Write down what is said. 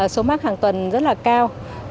số mắc hàng tuần rất là cao